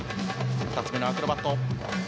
２つ目のアクロバティック。